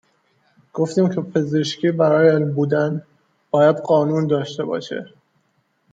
گفتیم که پزشکی برای علم بودن باید قانون داشته باشه.